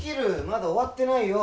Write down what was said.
まだ終わってないよ